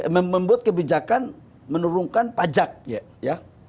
membuat kebijakan menurunkan pajak ya